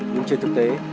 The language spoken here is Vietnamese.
nhưng trên thực tế